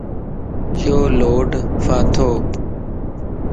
يو لوڊ ڦاتوَ